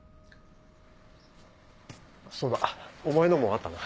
そうだお前のもあったな。